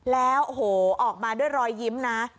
แล้วโอ้โหออกมาด้วยรอยยิ้มนะ